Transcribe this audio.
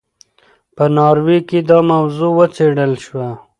په ناروې کې دا موضوع وڅېړل شوه.